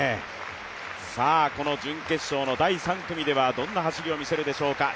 この準決勝の第３組ではどんな走りを見せるでしょうか。